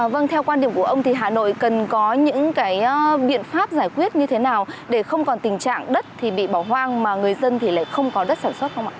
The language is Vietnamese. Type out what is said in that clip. vâng theo quan điểm của ông thì hà nội cần có những cái biện pháp giải quyết như thế nào để không còn tình trạng đất thì bị bỏ hoang mà người dân thì lại không có đất sản xuất không ạ